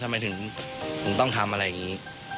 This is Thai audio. ทำไมถึงต้องทำอะไรอย่างนี้